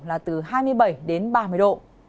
là từ hai mươi bảy đến ba mươi độ